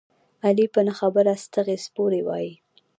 علي په نه خبره ستغې سپورې وايي.